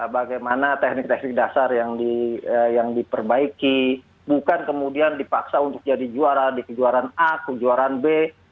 bagaimana teknik teknik dasar yang diperbaiki bukan kemudian dipaksa untuk jadi juara di kejuaraan a kejuaraan b